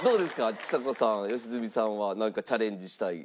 ちさ子さん良純さんはなんかチャレンジしたい。